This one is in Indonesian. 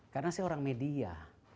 karena saya orang media